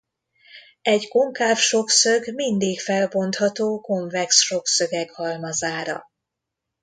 Egy konkáv sokszög mindig felbontható konvex sokszögek halmazára.